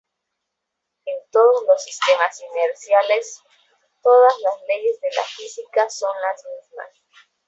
En todos los sistemas inerciales, todas las leyes de la física son las mismas.